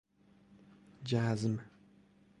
جذم